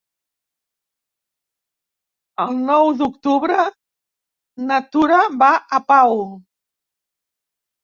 El nou d'octubre na Tura va a Pau.